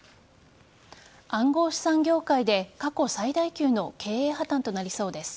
暗号資産業界で過去最大級の経営破綻となりそうです。